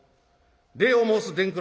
礼を申す伝九郎」。